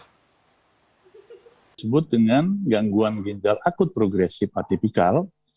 disebut dengan gangguan ginjal akut progresif atipikal